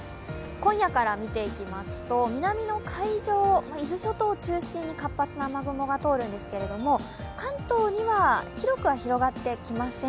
今夜から見ていきますと南の海上、伊豆諸島を中心に活発な雨雲が通るんですが関東には広くは広がってきません。